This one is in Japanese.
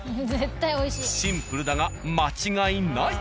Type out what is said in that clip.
シンプルだが間違いない！